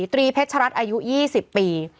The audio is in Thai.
ตรีเพชรรัฐอายุ๒๐ปี